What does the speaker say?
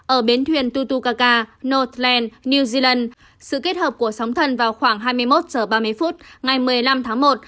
ở bến thuyền tutuka northland new zealand sự kết hợp của sóng thần vào khoảng hai mươi một h ba mươi phút ngày một mươi năm tháng một